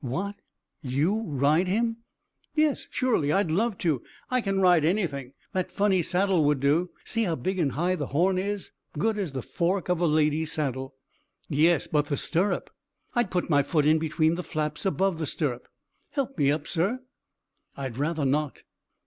"What? You ride him?" "Yes, surely. I'd love to. I can ride anything. That funny saddle would do see how big and high the horn is, good as the fork of a lady's saddle." "Yes, but the stirrup!" "I'd put my foot in between the flaps above the stirrup. Help me up, sir?" "I'd rather not."